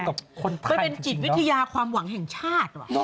มันเป็นจิตวิทยาความหวังแห่งชาติว่ะ